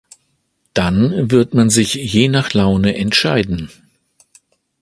Dann wird man sich je nach Laune entscheiden.